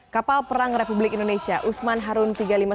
kapal perang republik indonesia usman harun tiga ratus lima puluh